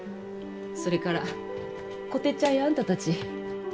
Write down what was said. それからこてっちゃんやあんたたち。